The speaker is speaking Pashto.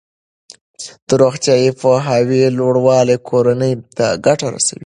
د روغتیايي پوهاوي لوړوالی کورنۍ ته ګټه رسوي.